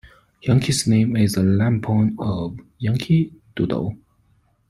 Yakky's name is a lampoon of "Yankee Doodle".